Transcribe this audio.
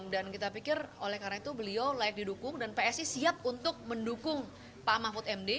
dan kita pikir oleh karena itu beliau layak didukung dan psi siap untuk mendukung pak mahfud md